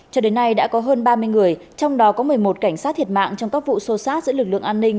cho đến nay đã có hơn ba mươi người trong đó có một mươi một cảnh sát thiệt mạng trong các vụ sô sát giữa lực lượng an ninh